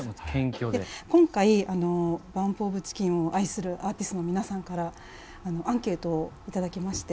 今回ＢＵＭＰＯＦＣＨＩＣＫＥＮを愛するアーティストの皆さんからアンケートをいただきまして。